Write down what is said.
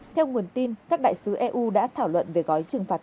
theo nguồn tin các đại sứ eu đã thảo luận về gói trừng phạt